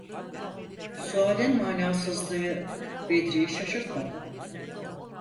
Sualin manasızlığı Bedri’yi şaşırtmadı.